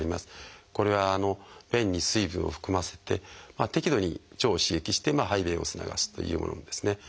これは便に水分を含ませて適度に腸を刺激して排便を促すというものですね。